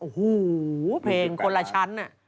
โอ้โหเพลงคนละชั้น